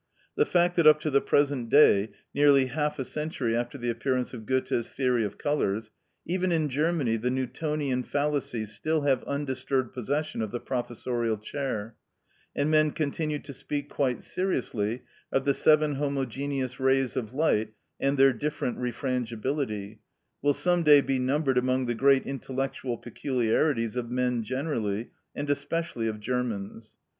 The fact that up to the present day, nearly half a century after the appearance of Goethe's theory of colours, even in Germany the Newtonian fallacies still have undisturbed possession of the professorial chair, and men continue to speak quite seriously of the seven homogeneous rays of light and their different refrangibility, will some day be numbered among the great intellectual peculiarities of men generally, and especially of Germans.